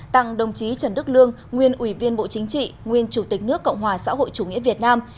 tặng đồng chí trần đức lương nguyên ủy viên bộ chính trị nguyên chủ tịch nước cộng hòa xã hội chủ nghĩa việt nam